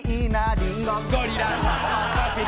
ゴリラ。